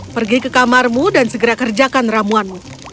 pergi ke kamarmu dan segera kerjakan ramuanmu